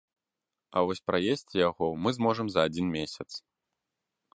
А вось праесці яго мы зможам за адзін месяц.